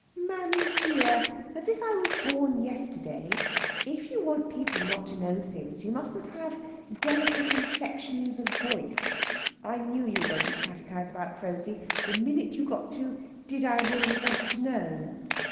"Mammy dear! As if I was born yesterday! If you want people not to know things, you mustn't have delicate inflexions of voice. I knew you were going to catechize about Prosy the minute you got to 'did I really want to know.'"